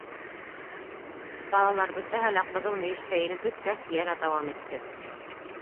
Балалар бөтәһе лә ҡыҙыл мөйөшкә инеп бөткәс, йәнә дауам итте: